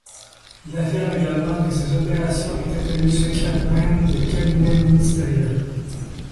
Il affirme également que ces opérations étaient tenues secrètes même des cabinets ministériels.